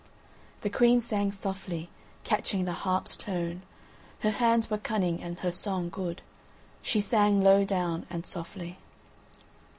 The Queen sang softly, catching the harp's tone; her hands were cunning and her song good; she sang low down and softly.